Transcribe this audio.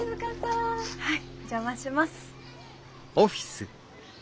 はいお邪魔します。